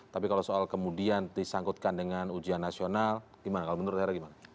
tapi kalau soal kemudian disangkutkan dengan ujian nasional gimana kalau menurut hera gimana